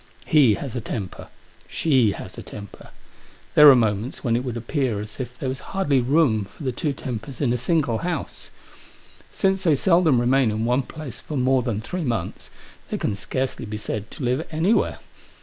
He has a temper ; she has a temper. There are moments when it would appear as if there was hardly room for the two tempers in a single house* Since they seldom remain in one place for more than three months, they can scarcely be said to live anywhere.